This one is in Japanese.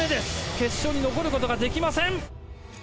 決勝に残ることができません！